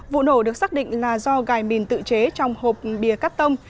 vụ nổ được xác định là do gài mìn tự chế trong hộp bìa cắt tông